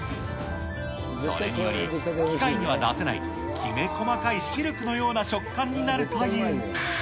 それにより、機械には出せないきめ細かいシルクのような食感になるという。